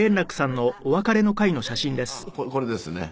これですね。